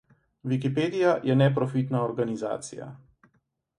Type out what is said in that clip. Wikipedija je neprofitna organizacija.